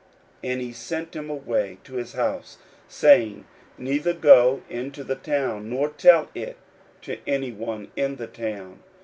41:008:026 And he sent him away to his house, saying, Neither go into the town, nor tell it to any in the town.